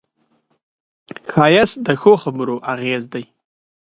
ښایست د ښو خبرو اغېز دی